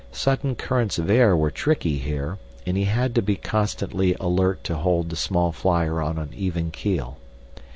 Sudden currents of air were tricky here, and he had to be constantly alert to hold the small flyer on an even keel.